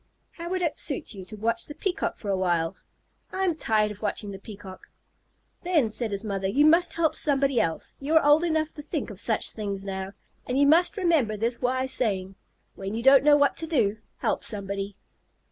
"How would it suit you to watch the Peacock for a while?" "I'm tired of watching the Peacock." "Then," said the mother, "you must help somebody else. You are old enough to think of such things now, and you must remember this wise saying: 'When you don't know what to do, help somebody.'"